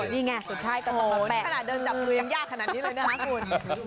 นี่ไงสุดท้ายก็ตามแปะโหนี่ขนาดเดินจับหนูยังยากขนาดนี้เลยนะฮะคุณ